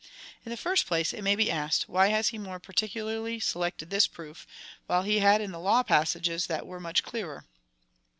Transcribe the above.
In the first place, it may be asked. Why has he more par ticularly selected this proof, while he had in the law passages that were much clearer?